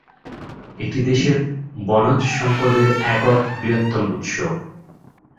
এটি দেশের বনজ সম্পদের একক বৃহত্তম উৎস।